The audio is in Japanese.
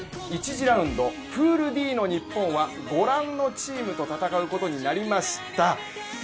１次ラウンド、ＰＯＯＬＤの日本はご覧のチームと戦うことになりました。